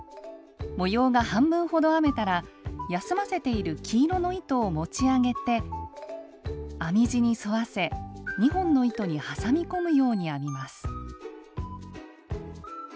模様が半分ほど編めたら休ませている黄色の糸を持ち上げて編み地に沿わせ２本の糸に挟み込むように編みます。